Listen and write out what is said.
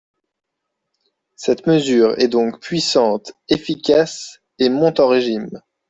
Cette mesure est donc puissante, efficace, et monte en régime.